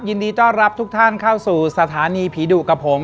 ยินดีต้อนรับทุกท่านเข้าสู่สถานีผีดุกับผม